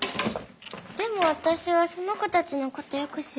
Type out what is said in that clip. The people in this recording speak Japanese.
でもわたしはその子たちのことよく知らないし。